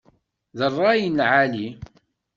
D rray n lεali.